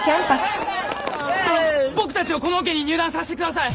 僕たちをこのオケに入団させてください！